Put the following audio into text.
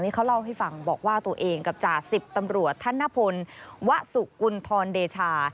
เขาเล่าให้ฟังบอกว่าตัวเองกับจ่าสิบตำรวจธนพลวะสุกุณฑรเดชา